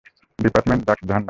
Department যাক জাহান্নামে।